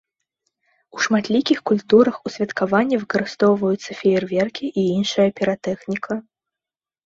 У шматлікіх культурах у святкаванні выкарыстоўваюцца феерверкі і іншая піратэхніка.